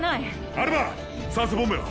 アルバ酸素ボンベは？